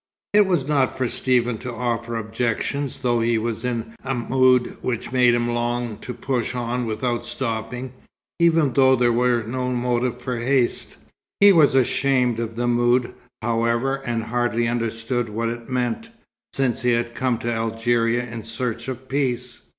It was not for Stephen to offer objections, though he was in a mood which made him long to push on without stopping, even though there were no motive for haste. He was ashamed of the mood, however, and hardly understood what it meant, since he had come to Algeria in search of peace.